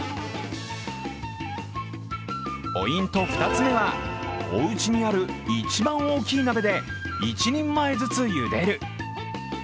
ポイント２つ目は、おうちにある一番大きな鍋で１人前ずつゆでる。